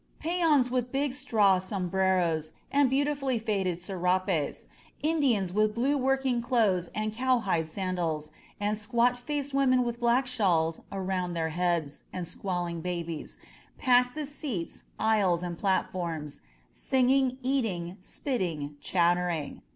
... Peons with big straw sombreros and beautifully faded serapes, Indians in blue working clothes and cowhide sandals, and squat faced women with black shawls around their heads, and squalling babies, — ^packed the 149 INSURGENT MEXICO seats, aisles and platforms, singing, eating, spitting, chattering.